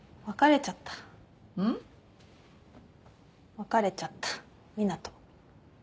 別れちゃった湊斗。